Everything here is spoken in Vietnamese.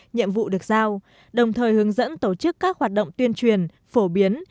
nhiệm vụ được giao đồng thời hướng dẫn tổ chức các hoạt động tuyên truyền phổ biến